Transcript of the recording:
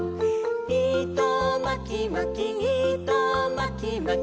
「いとまきまきいとまきまき」